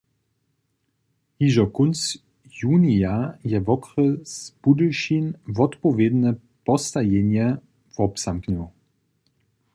Hižo kónc junija je wokrjes Budyšin wotpowědne postajenje wobzamknył.